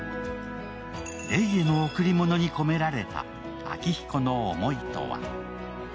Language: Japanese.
玲への贈り物に込められた昭彦の思いとは？